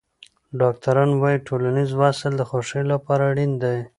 ډاکټران وايي ټولنیز وصل د خوښۍ لپاره اړین دی.